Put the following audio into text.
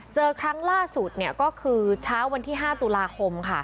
เจอครั้งล่าสุดก็คือเช้าวันที่๕ตุลาคมค่ะ